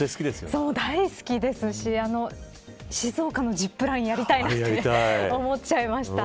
大好きですし静岡のジップラインやりたいなって思っちゃいました。